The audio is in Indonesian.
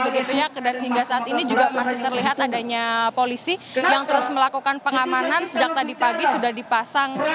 begitu ya dan hingga saat ini juga masih terlihat adanya polisi yang terus melakukan pengamanan sejak tadi pagi sudah dipasang